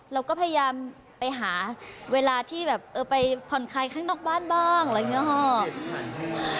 เราก็พยายามไปหาเวลาที่แบบเออไปผ่อนคลายข้างนอกบ้านบ้างอะไรอย่างนี้ค่ะ